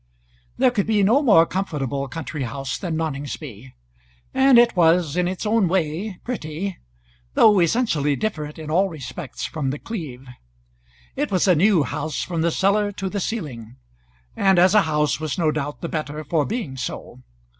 There could be no more comfortable country house than Noningsby; and it was, in its own way, pretty, though essentially different in all respects from The Cleeve. It was a new house from the cellar to the ceiling, and as a house was no doubt the better for being so.